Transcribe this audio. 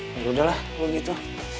ya udah lah begitu